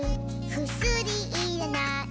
「くすりいらない」